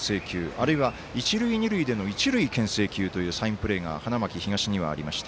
あるいは、一塁、二塁での一塁けん制球というサインプレーが花巻東にはありました。